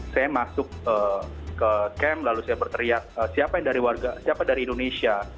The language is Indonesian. saya masuk ke camp lalu saya berteriak siapa dari indonesia